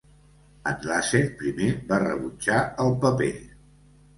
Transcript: En Lasser primer va rebutjar el paper.